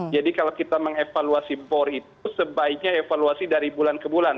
jadi kalau kita mengevaluasi bor itu sebaiknya evaluasi dari bulan ke bulan